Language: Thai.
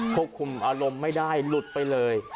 ควบคุมอารมณ์ไม่ได้หลุดไปเลย